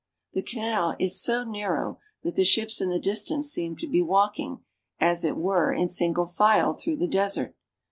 The canal is so narrow that the ships in the distance seem to be walking, as it were, in single file through the desert.